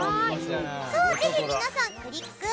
ぜひ皆さん、クリック！